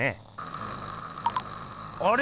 あれ？